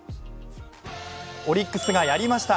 オリックスがやりました。